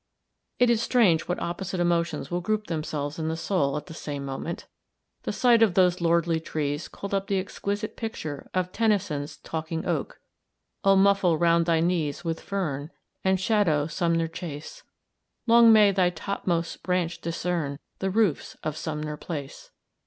It is strange what opposite emotions will group themselves in the soul at the same moment. The sight of those lordly trees called up the exquisite picture of Tennyson's "Talking Oak": "Oh, muffle round thy knees with fern, And shadow Sumner chace! Long may thy topmost branch discern The roofs of Sumner place!"